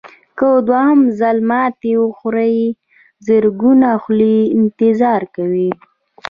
که دوهم ځل ماتې وخورئ زرګونه خولې انتظار کوي.